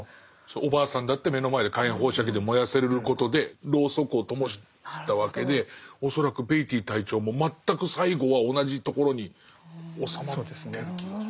おばあさんだって目の前で火炎放射器で燃やされることでロウソクを灯したわけで恐らくベイティー隊長も全く最後は同じところに収まってる気がする。